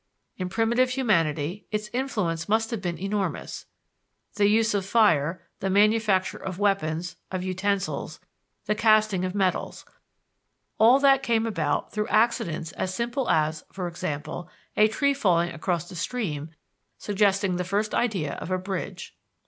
In primitive humanity its influence must have been enormous: the use of fire, the manufacture of weapons, of utensils, the casting of metals: all that came about through accidents as simple as, for example, a tree falling across a stream suggesting the first idea of a bridge.